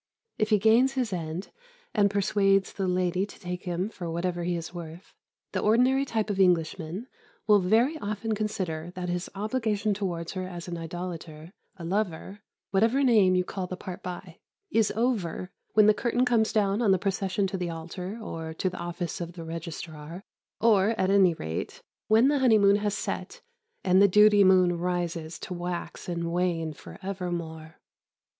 If he gains his end, and persuades the lady to take him for whatever he is worth, the ordinary type of Englishman will very often consider that his obligation towards her as an idolater, a lover, whatever name you call the part by, is over when the curtain comes down on the procession to the altar or to the office of the Registrar, or, at any rate, when the honeymoon has set and the duty moon rises to wax and wane for evermore.